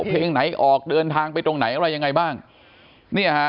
เพลงไหนออกเดินทางไปตรงไหนอะไรยังไงบ้างเนี่ยฮะ